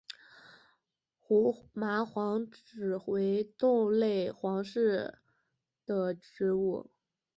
胡麻黄耆为豆科黄芪属的植物。